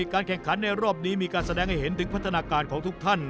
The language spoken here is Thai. การแข่งขันในรอบนี้มีการแสดงให้เห็นถึงพัฒนาการของทุกท่าน